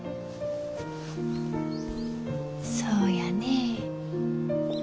そうやね。